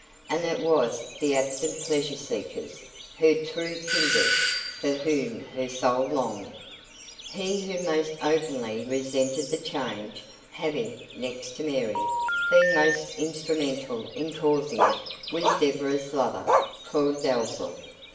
And it was the absent pleasure seekers, her true kindred, for whom her soul longed. He who most openly resented the change, having (next to Mary) been most instrumental in causing it, was Deborah's lover, Claud Dalzell.